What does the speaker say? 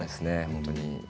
本当に。